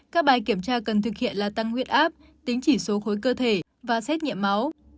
các bài kiểm tra cần thực hiện là tăng huyết áp tính chỉ số khối cơ thể và xét nghiệm máu